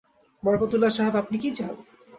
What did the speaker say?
বরকতউল্লাহ সাহেব, আপনি কী চান?